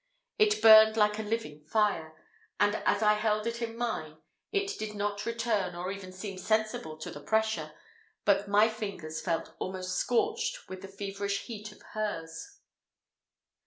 It burned like a living fire; and, as I held it in mine, it did not return or even seem sensible to the pressure, but my fingers felt almost scorched with the feverish heat of hers.